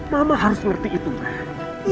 mama harus ngerti itu ma